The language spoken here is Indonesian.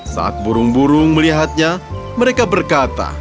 saat burung burung melihatnya mereka berkata